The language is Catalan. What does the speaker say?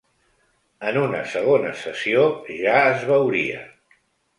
En una segona sessió, ja es veuria.